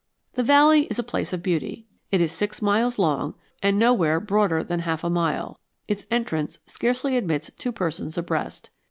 The valley is a place of beauty. It is six miles long and nowhere broader than half a mile; its entrance scarcely admits two persons abreast.